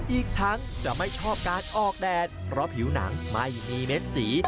อีกทั้งจะไม่ชอบการออกแดดเพราะผิวหนังไม่มีเม็ดสี